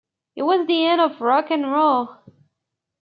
It was the end of rock 'n' roll.